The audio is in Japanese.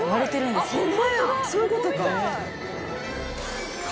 そういうことか！